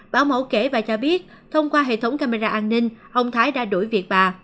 bảo mẫu kể và cho biết thông qua hệ thống camera an ninh ông thái đã đuổi việc bà